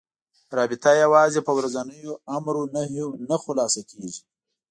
رابطه یوازې په ورځنيو امر و نهيو نه خلاصه کېږي.